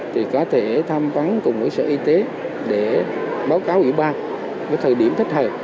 thì có thể tham vấn cùng với sở y tế để báo cáo ủy ban với thời điểm thích hợp